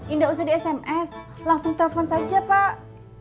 indah usah di sms langsung telpon saja pak